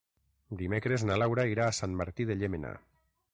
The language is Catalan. Dimecres na Laura irà a Sant Martí de Llémena.